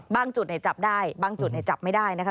จุดจับได้บางจุดจับไม่ได้นะคะ